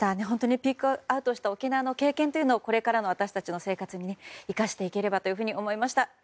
本当にピークアウトした沖縄の経験というのをこれからの私たちの生活に生かしていければと思いました。